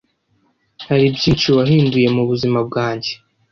hari byinshi wahinduye mu buzima bwanjye